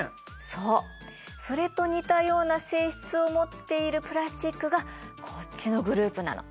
そうそれと似たような性質を持っているプラスチックがこっちのグループなの。